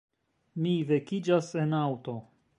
Mi vekiĝas en aŭto.